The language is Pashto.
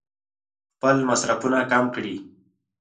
خپل مصرفونه کم کړي.